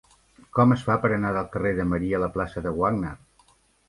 Com es fa per anar del carrer de Marí a la plaça de Wagner?